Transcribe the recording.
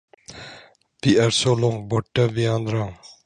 Vi är så långt borta vi andra.